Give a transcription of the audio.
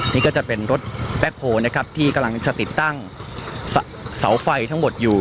นี่ก็จะเป็นรถแบ็คโฮลนะครับที่กำลังจะติดตั้งเสาไฟทั้งหมดอยู่